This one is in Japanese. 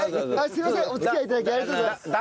すいませんお付き合い頂きありがとうございます。